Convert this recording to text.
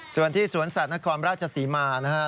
ส่วนที่สวนสัตว์นครราชศรีมานะฮะ